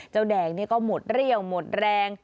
เจ้าแดงก็หมดเรี่ยวหมดแรง